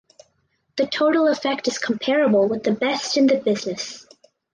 The total effect is comparable with the best in the business.